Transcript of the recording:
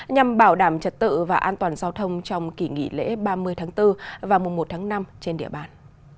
nhằm bảo đảm trật tự và an toàn giao thông trong kỷ nghỉ lễ ba mươi tháng bốn và mùa một tháng năm trên địa bàn